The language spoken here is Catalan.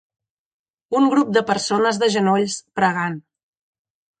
Un grup de persones de genolls, pregant.